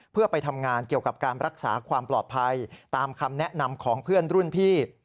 เพื่อไปทำงานเกี่ยวกับการรักษาความปลอดภัยตามคำแนะนำของเพื่อนรุ่นพี่